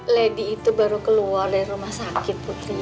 lady itu baru keluar dari rumah sakit putri